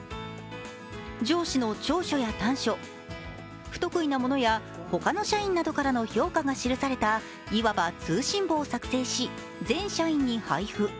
上司の長所や短所、不得意なものや他の社員などからの評価が記されたいわば通信簿を作成し全社員に配布。